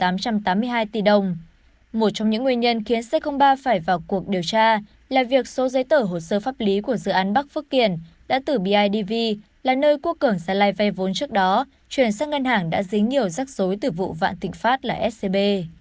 một trong những nguyên nhân khiến c ba phải vào cuộc điều tra là việc số giấy tờ hồ sơ pháp lý của dự án bắc phước kiển đã tử bidv là nơi quốc cường gia lai vay vốn trước đó chuyển sang ngân hàng đã dính nhiều rắc rối từ vụ vạn thịnh pháp là scb